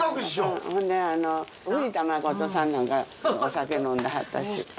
ほんであの藤田まことさんなんかお酒飲んではったし。